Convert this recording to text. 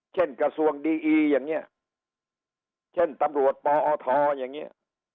เช่นกระทรวงดีอียังเงี้ยเช่นตำรวจปอธอย่างเงี้ย